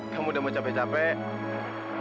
kamu udah mau capek capek